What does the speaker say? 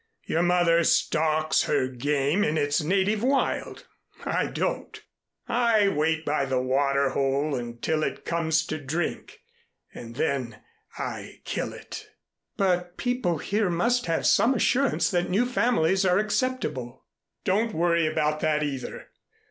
Your mother stalks her game in its native wild. I don't. I wait by the water hole until it comes to drink, and then I kill it." "But people here must have some assurance that new families are acceptable " "Don't worry about that, either.